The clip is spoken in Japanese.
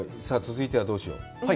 さあ、続いてはどうしよう。